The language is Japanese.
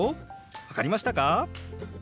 分かりましたか？